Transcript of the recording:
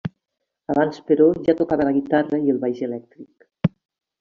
Abans però ja tocava la guitarra i el baix elèctric.